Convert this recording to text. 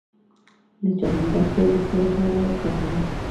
د چغندر ګل د څه لپاره وکاروم؟